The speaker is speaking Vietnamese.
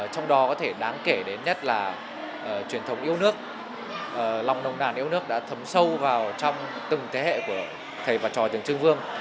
trong đó có thể đáng kể đến nhất là truyền thống yêu nước lòng nông nàn yêu nước đã thấm sâu vào trong từng thế hệ của thầy và trò tượng trưng vương